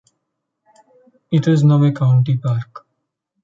It is now a county park.